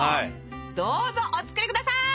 どうぞお作り下さい！